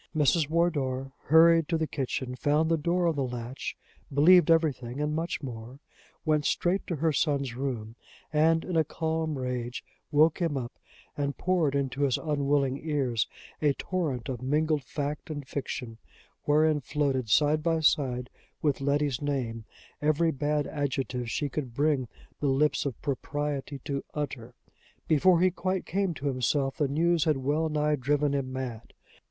Mrs. Wardour hurried to the kitchen, found the door on the latch, believed everything and much more, went straight to her son's room, and, in a calm rage, woke him up, and poured into his unwilling ears a torrent of mingled fact and fiction, wherein floated side by side with Letty's name every bad adjective she could bring the lips of propriety to utter. Before he quite came to himself the news had well nigh driven him mad.